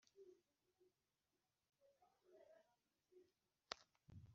Yehova tubona ko kumukorera ari byo by ingenzi